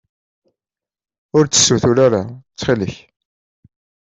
Ur d-ssutur ara, ttxilk.